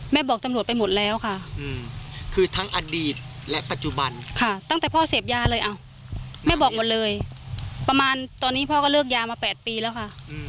บอกตำรวจไปหมดแล้วค่ะคือทั้งอดีตและปัจจุบันค่ะตั้งแต่พ่อเสพยาเลยแม่บอกหมดเลยประมาณตอนนี้พ่อก็เลิกยามา๘ปีแล้วค่ะ